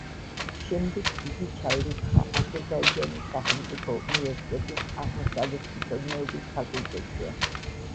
შემდეგ იგი ჩაირიცხა აზერბაიჯანის სახელმწიფო უნივერსიტეტის აღმოსავლეთმცოდნეობის ფაკულტეტზე.